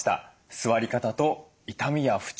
座り方と痛みや不調